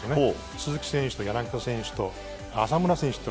鈴木選手と柳田選手と浅村選手。